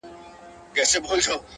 پر خپل قول درېدل خوی د مېړه دی٫